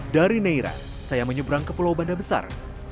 dari neira saya menyeberang ke pulau banda besar